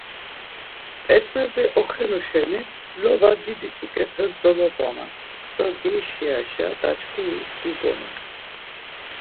P̌et̆mezi oxenu şeni lova didi ç̌uǩepes dolobuman do geyişiraşa daçxuris gubuman.